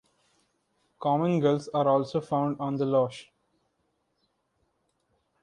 Common gulls are also found on the loch.